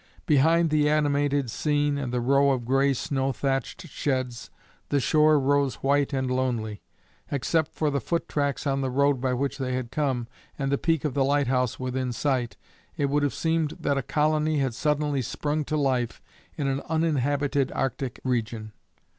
Behind the animated scene and the row of gray snow thatched sheds, the shore rose white and lonely. Except for the foot tracks on the road by which they had come, and the peak of the lighthouse within sight, it would have seemed that a colony had suddenly sprung to life in an uninhabited Arctic region.